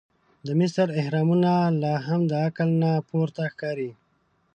د مصر احرامونه لا هم د عقل نه پورته ښکاري.